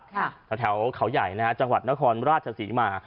จากแถวเขาใหญ่จังหวัดนครราชศาสิมา